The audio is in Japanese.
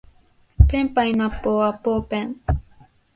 ペンパイナッポーアッポーペン